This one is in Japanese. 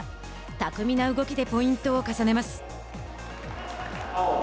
巧みな動きでポイントを重ねます。